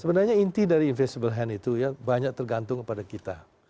sebenarnya inti dari invisible hand itu ya banyak tergantung kepada kita